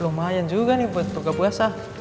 lumayan juga nih buat buka puasa